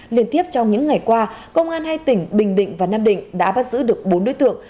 liên tiếp trong những ngày qua công an hai tỉnh bình định và nam định đã bắt giữ được bốn đối tượng